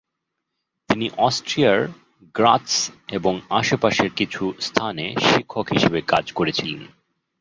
তিনি অস্ট্রিয়ার গ্রাৎস এবং আশপাশের কিছু স্থানে শিক্ষক হিসেবে কাজ করেছিলেন।